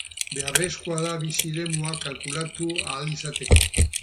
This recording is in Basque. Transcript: Beharrezkoa da bizi-eremua kalkulatu ahal izateko